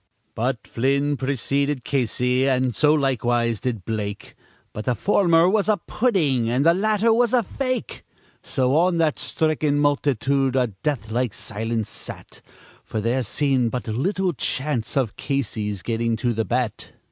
But Flynn preceded Casey, and so likewise did Blake, But the former was a pudding, and the latter was a fake; So on that stricken multitude a death like silence sat, For there seemed but little chance of Casey's getting to the bat.